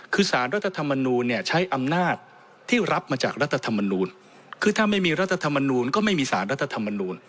คือสารรัฐธรรมนูลเนี่ยใช้อำนาจที่รับมาจากรัฐธรรมนูลคือถ้าไม่มีรัฐธรรมนูลก็ไม่มีสารรัฐธรรมนูล